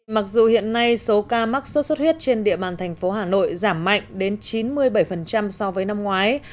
mặc dù hiện nay số ca mắc sốt xuất huyết trên địa bàn thành phố hà nội giảm mạnh đến chín mươi bảy so với năm ngoái